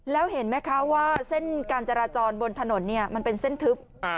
แล้วเห็นไหมคะว่าเส้นการจราจรบนถนนเนี่ยมันเป็นเส้นทึบ